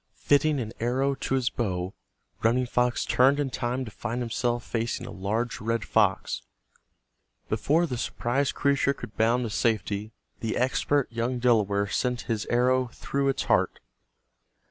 Fitting an arrow to his how, Running Fox turned in time to find himself facing a large red fox. Before the surprised creature could bound to safety the expert young Delaware sent his arrow through its heart.